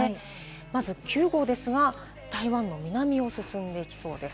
まず９号ですが、台湾の南を進んでいきそうです。